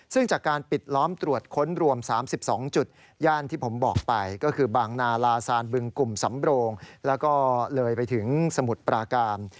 ซึ่งจากการปิดล้อมตรวจค้นรวม๓๒จุดย่านที่ผมบอกไปก็คือบางนาลาซานบึงกลุ่มสำโรงแล้วก็เลยไปถึงสมุทรปราการ